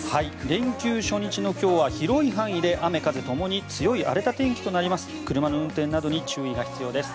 連休初日の今日は広い範囲で雨、風ともに荒れた天気となります。